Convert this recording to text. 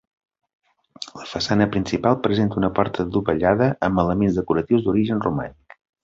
La façana principal presenta una porta dovellada amb elements decoratius d'origen romànic.